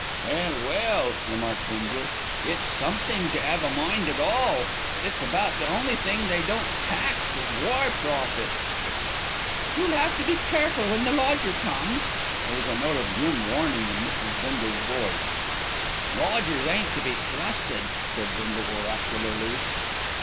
"Well, well!" remarked Bindle, "it's somethink to 'ave a mind at all, it's about the only thing they don't tax as war profits." "You'll have to be careful when the lodger comes." There was a note of grim warning in Mrs. Bindle's voice. "Lodgers ain't to be trusted," said Bindle oracularly.